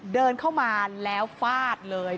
เดินเข้ามาแล้วฟาดเลย